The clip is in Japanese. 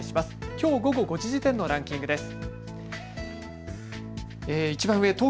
きょう午後５時時点のランキングです。